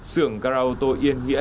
sưởng car auto yên nghĩa